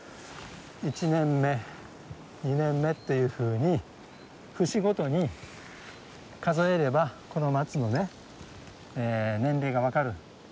１年目２年目っていうふうに節ごとに数えればこの松のね年齢が分かる。